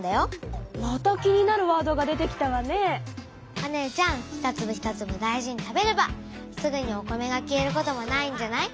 お姉ちゃん一つぶ一つぶ大事に食べればすぐにお米が消えることもないんじゃない？